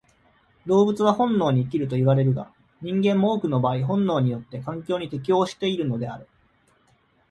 動物は本能に生きるといわれるが、人間も多くの場合本能によって環境に適応しているのである。